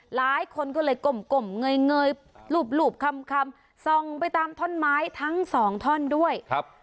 หลายคนก็เลยกลมเงยรูปคำส่องไปตามท่อนไม้ทั้งสองท่อนด้วยครับ